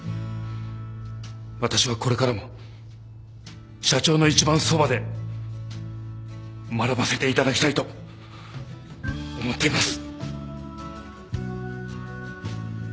私はこれからも社長の一番そばで学ばせていただきたいと思っています。